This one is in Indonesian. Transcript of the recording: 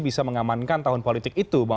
bisa mengamankan tahun politik itu